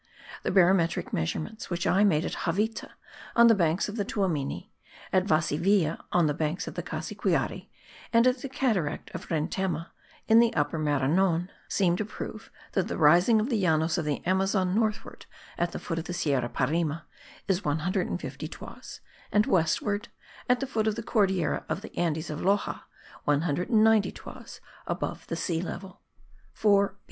The barometric measurements which I made at Javita on the banks of the Tuamini, at Vasivia on the banks of the Cassiquiare and at the cataract of Rentema, in the Upper Maranon, seem to prove that the rising of the Llanos of the Amazon northward (at the foot of the Sierra Parime) is 150 toises, and westward (at the foot of the Cordillera of the Andes of Loxa), 190 toises above the sea level. (4b.)